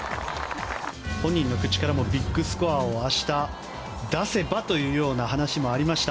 本人の口からもビッグスコアを明日、出せばというような話もありました。